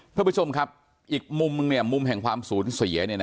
เพื่อผู้ชมครับอีกมุมนึงมุมแห่งความสูญเสีย